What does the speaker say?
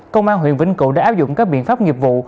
công an huyện vĩnh cửu đã áp dụng các biện pháp nghiệp vụ